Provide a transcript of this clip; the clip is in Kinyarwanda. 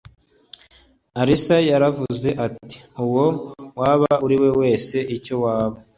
alyssa yaravuze ati uwo waba uri we wese icyo waba